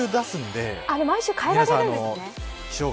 あれ毎週変えられるんですね。